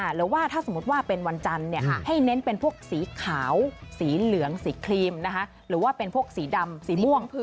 หรือว่าถ้าสมมุติว่าเป็นวันจันทร์ให้เน้นเป็นพวกสีขาวสีเหลืองสีครีมหรือว่าเป็นพวกสีดำสีม่วง